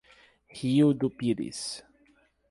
Rio do Pires